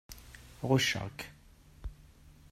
Ɣucceɣ-k.